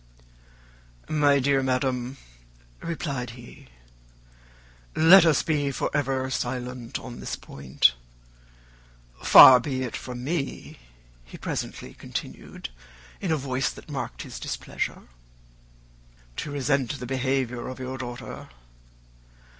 "My dear madam," replied he, "let us be for ever silent on this point. Far be it from me," he presently continued, in a voice that marked his displeasure, "to resent the behaviour of your daughter.